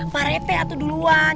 pak retta atuh duluan